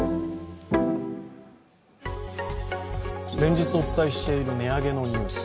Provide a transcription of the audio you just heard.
連日お伝えしている値上げのニュース。